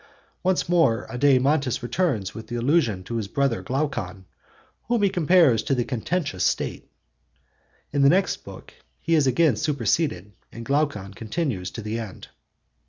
Once more Adeimantus returns with the allusion to his brother Glaucon whom he compares to the contentious State; in the next book he is again superseded, and Glaucon continues to the end.